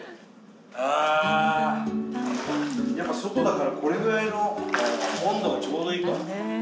ああやっぱ外だからこれぐらいの温度がちょうどいいかも。